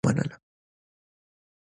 جین مینه ونه لرله، خو غوښتنه یې ومنله.